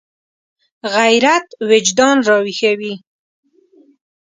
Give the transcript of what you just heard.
غیرت وجدان راویښوي